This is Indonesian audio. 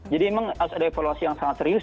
jadi memang harus ada evaluasi yang sangat serius